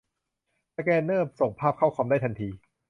สแกนเนอร์ส่งภาพเข้าคอมได้ทันที